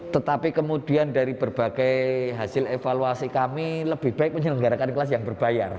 tetapi kemudian dari berbagai hasil evaluasi kami lebih baik menyelenggarakan kelas yang berbayar